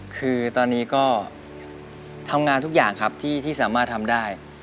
คือตอนนี้ก็ทำงานทุกอย่างครับที่สามารถทำได้